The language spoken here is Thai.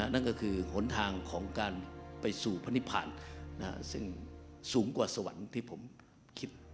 นั่นก็คือหนทางของการไปสู่พนิพานซึ่งสูงกว่าสวรรค์ที่ผมคิด